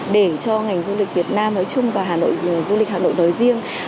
để cho ngành du lịch việt nam nói chung và du lịch hà nội nói riêng